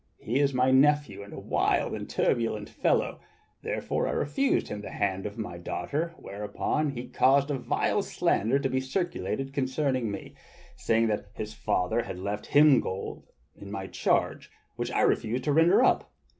He is my nephew, and a wild and turbulent fellow, therefore I refused him the hand of my daughter, whereupon he caused a vile slander to be circulated concerning me, saying that his father had left him gold in my charge which I refused to render up.